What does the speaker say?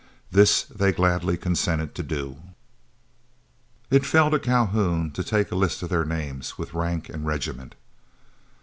This they gladly consented to do. It fell to Calhoun to take a list of their names, with rank and regiment.